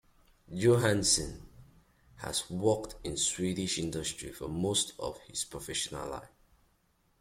Johansson has worked in Swedish industry for most of his professional life.